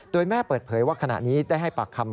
โดยแม่เปิดเผยว่าขณะนี้ได้ให้ปากคำ